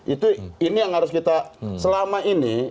itu ini yang harus kita selama ini